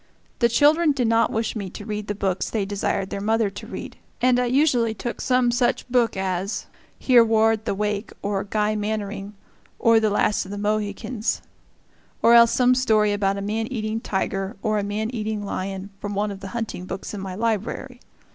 The children did not wish me to read the books they desired their mother to read, and I usually took some such book as "Hereward the Wake," or "Guy Mannering," or "The Last of the Mohicans" or else some story about a man eating tiger, or a man eating lion, from one of the hunting books in my library.